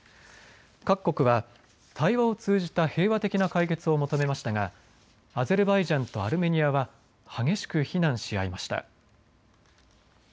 各国は対話を通じた平和的な解決を求めましたがアゼルバイジャンとアルメニアは激しく非難し合いました。